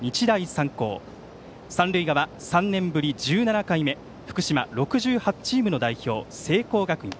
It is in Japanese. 三塁側、３年ぶり１７回目福島６８チームの代表聖光学院。